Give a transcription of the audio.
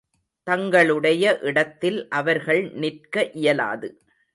தங்களுடைய இடத்தில் அவர்கள் நிற்க இயலாது.